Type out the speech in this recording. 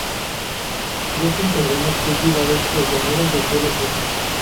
Crece en terrenos cultivados o llanuras de suelo seco.